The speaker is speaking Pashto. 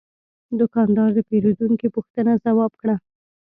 دوکاندار د پیرودونکي پوښتنه ځواب کړه.